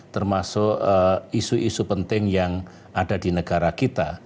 termasuk isu isu penting yang ada di negara kita